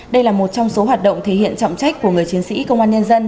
đây là một trong số hoạt động thể hiện trọng trách của người chiến sĩ công an nhân dân